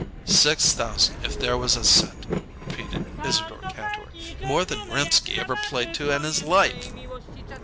"Six thousand, if there was a cent," repeated Isadore Kantor. "More than Rimsky ever played to in his life!"